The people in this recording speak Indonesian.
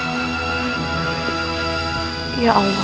karena dia cuma ambil biaya